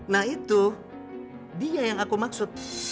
nah itu dia yang aku maksud